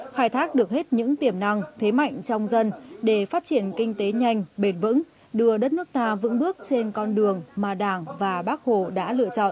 khai thác được hết những tiềm năng thế mạnh trong dân để phát triển kinh tế nhanh bền vững đưa đất nước ta vững bước trên con đường mà đảng và bác hồ đã lựa chọn